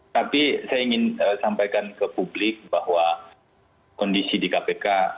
tapi saya ingin sampaikan ke publik bahwa kondisi di kpk